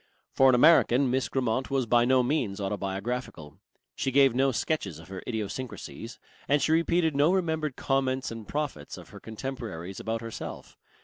For an American Miss Grammont was by no means autobiographical. She gave no sketches of her idiosyncrasies, and she repeated no remembered comments and prophets of her contemporaries about herself.